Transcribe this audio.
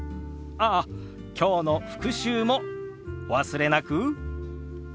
ああきょうの復習もお忘れなく。